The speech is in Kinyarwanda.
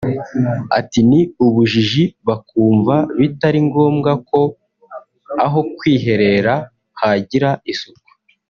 Ati“Ni ubujiji bakumva bitari ngombwa ko aho kwiherera hagira isuku